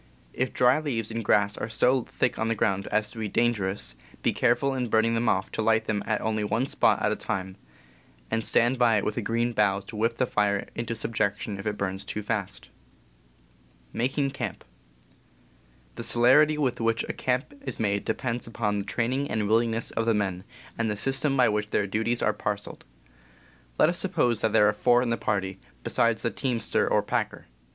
If dry leaves and grass are so thick on the ground as to be dangerous, be careful in burning them off to light them at only one spot at a time, and stand by it with a green bough to whip the fire into subjection if it burns too fast. The celerity with which a camp is made depends upon the training and willingness of the men, and the system _^,. by which their duties are parceled. Let _ us suppose that there are four in the party, besides the teamster or packer.